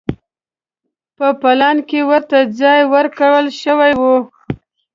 په پلان کې ورته ځای ورکړل شوی و.